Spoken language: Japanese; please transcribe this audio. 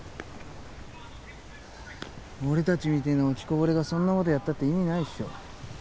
俺たちみたいな落ちこぼれがそんな事やったって意味ないっしょ。